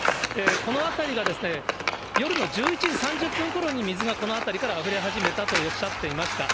この辺りが夜の１１時３０分ころに水がこの辺りからあふれ始めたとおっしゃっていました。